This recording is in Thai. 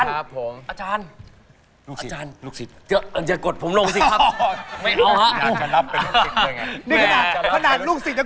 ว่าน่าจะได้สักกี่คะแนนครับพี่